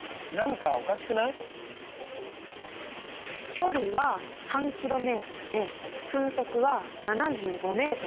距離は３ｋｍで分速は７５ｍ。